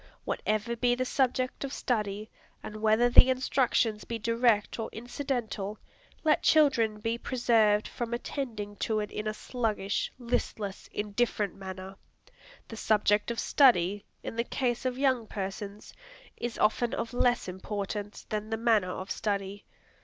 Whatever be the subject of study, and whether the instructions be direct or incidental, let children be preserved from attending to it in a sluggish, listless, indifferent manner. The subject of study, in the case of young persons, is often of less importance than the manner of study.